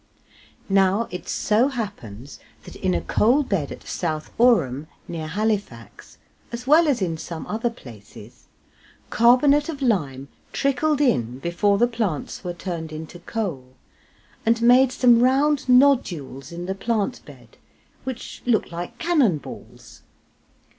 Now, it so happens that in a coal bed at South Ouram, near Halifax, as well as in some other places, carbonate of lime trickled in before the plants were turned into coal, and made some round nodules in the plant bed, which look like cannon balls.